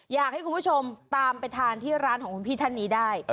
อยากให้คุณผู้ชมตามไปทานที่ร้านของคุณพี่ท่านนี้ได้